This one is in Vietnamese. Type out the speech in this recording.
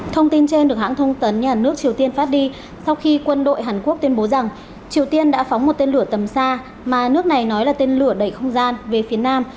thông tin trên được hãng thông tấn nhà nước triều tiên phát đi sau khi quân đội hàn quốc tuyên bố rằng triều tiên đã phóng một tên lửa tầm xa mà nước này nói là tên lửa đẩy không gian về phía nam